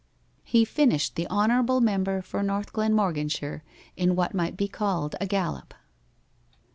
He finished the honorable member for North Glenmorganshire in what might be called a gallop.